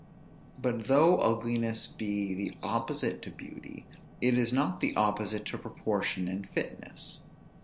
But though ugliness be the opposite to beauty, it is not the opposite to proportion and fitness.